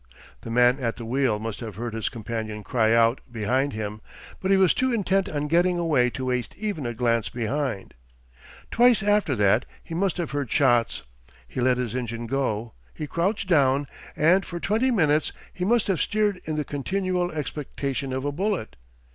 The man at the wheel must have heard his companion cry out behind him, but he was too intent on getting away to waste even a glance behind. Twice after that he must have heard shots. He let his engine go, he crouched down, and for twenty minutes he must have steered in the continual expectation of a bullet.